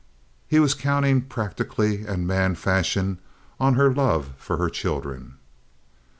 He was counting practically, and man fashion, on her love for her children.